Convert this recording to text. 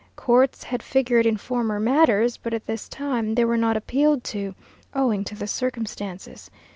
Courts had figured in former matters, but at this time they were not appealed to, owing to the circumstances.